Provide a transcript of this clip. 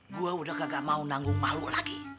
gua udah gak mau nanggung mahluk lagi